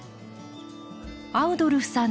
アウドルフさん